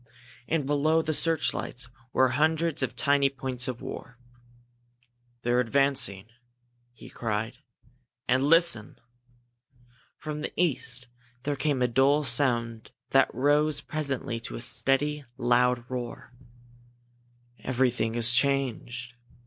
And below the searchlights were hundreds of tiny points of fire. "They're advancing!" he cried. "And listen!" From the east there came a dull sound that rose presently to a steady, loud roar. "Everything has changed!"